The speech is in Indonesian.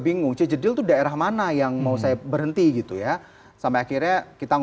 ini tuh luar biasa